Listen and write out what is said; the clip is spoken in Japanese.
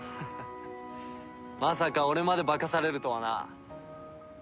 まさか俺まで化かされるとはな。